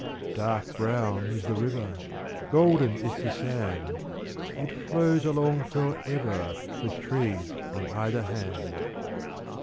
Dark brown is the river, Golden is the sand. It flows along for ever, With trees on either hand.